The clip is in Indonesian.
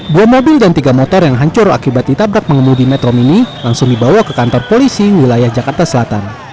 dua mobil dan tiga motor yang hancur akibat ditabrak pengemudi metro mini langsung dibawa ke kantor polisi wilayah jakarta selatan